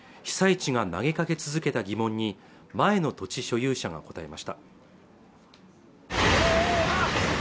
被災地が投げかけ続けた疑問に前の土地所有者が答えました